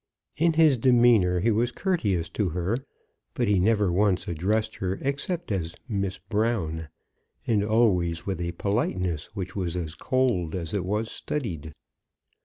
In his demeanour he was courteous to her, but he never once addressed her except as Miss Brown, and always with a politeness which was as cold as it was studied.